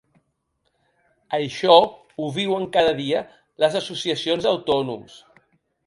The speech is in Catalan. Això ho viuen cada dia les associacions d’autònoms.